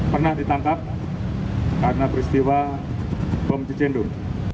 pernah ditangkap karena peristiwa bom cicendom